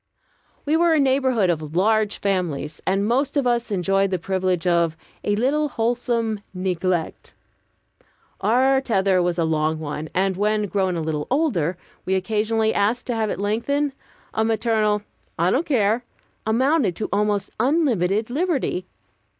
We were a neighborhood of large families, and most of us enjoyed the privilege of "a little wholesome neglect." Our tether was a long one, and when, grown a little older, we occasionally asked to have it lengthened, a maternal "I don't care" amounted to almost unlimited liberty.